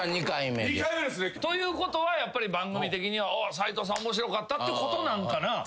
２回目ですね！ということはやっぱり番組的には斉藤さん面白かったってことなんかな？